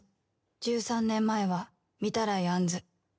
１３年前は御手洗杏子。